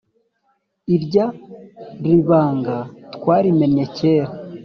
Irya ribanga twarimennye kera cyane